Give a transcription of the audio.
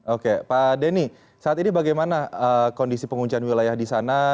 oke pak denny saat ini bagaimana kondisi penguncian wilayah di sana